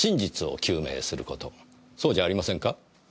そうじゃありませんか？